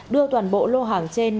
đưa toàn bộ lô hàng trên